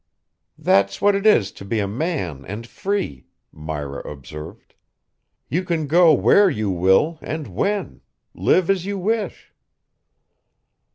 "That's what it is to be a man and free," Myra observed. "You can go where you will and when live as you wish."